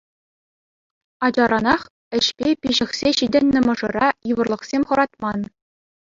Ачаранах ӗҫпе пиҫӗхсе ҫитӗннӗ мӑшӑра йывӑрлӑхсем хӑратман.